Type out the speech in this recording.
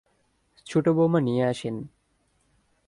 ছোট বৌমা নিয়ে আসেন।